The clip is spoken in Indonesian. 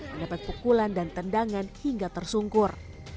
mendapat pukulan dan tendangan hingga tersungkur